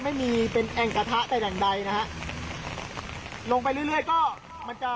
ไม่มีเป็นแอ่งกระทะแต่อย่างใดนะฮะลงไปเรื่อยเรื่อยก็มันจะ